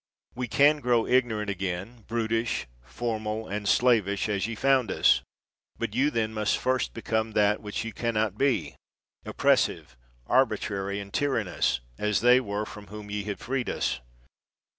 We can grow ignorant again, brutish, formal and slavish, as ye found us ; but you then must first become that which ye can not be, op pressive, arbitrary and tyrannous, as they were from whom ye have freed us.